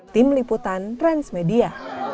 tim liputan transmedia